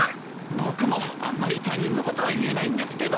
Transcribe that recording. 僕もあんまり他人のことは言えないんですけど。